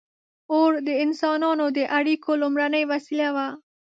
• اور د انسانانو د اړیکو لومړنۍ وسیله وه.